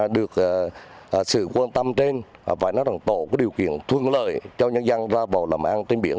được sự quan tâm trên phải nói là tổ có điều kiện thuân lợi cho nhân dân ra vào làm an trên biển